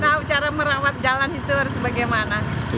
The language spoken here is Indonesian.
tahu cara merawat jalan itu harus bagaimana